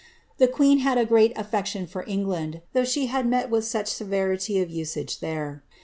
*^^ The queen had a great affection for England, though she had met with such severity of usage there.